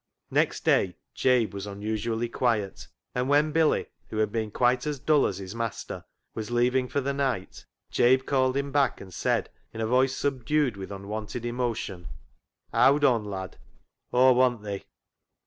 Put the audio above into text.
Next day Jabe was unusually quiet, and when Billy, who had been quite as dull as his master, was leaving for the night, Jabe called him back and said, in a voice subdued with unwonted emotion, —" Howd on, lad. Aw want thee."